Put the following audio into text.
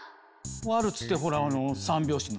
ワルツってほらあの３拍子の。